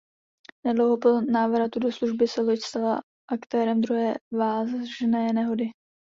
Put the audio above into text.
Nedlouho po návratu do služby se loď stala aktérem druhé vážné nehody.